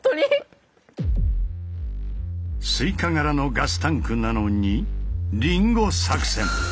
スイカ柄のガスタンクなのにリンゴ作戦。